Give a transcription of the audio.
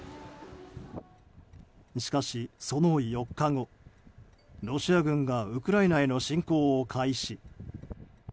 しかしその４日後、ロシア軍がウクライナへの侵攻を開始。